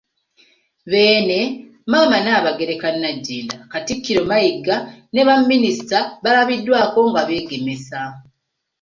Beene, Maama Nnaabagereka Nagginda, Katikkiro Mayiga ne baminisita, baalabiddwako nga beegemesa